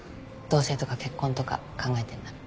同棲とか結婚とか考えてんなら。